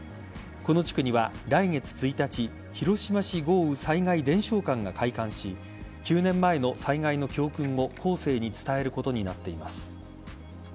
この地区には来月１日広島市豪雨災害伝承館が開館し９年前の災害の教訓を後世に伝えることになっています。